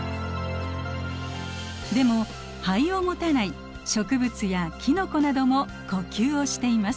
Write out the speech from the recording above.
でも肺を持たない植物やキノコなども呼吸をしています。